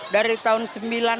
dari tahun sembilan